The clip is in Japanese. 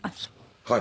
はい。